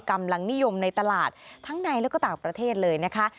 กำลังนิยมในตลาดทั้งในแล้วก็ต่างประเทศเลยนะคะ